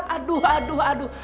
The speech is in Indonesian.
aduh aduh aduh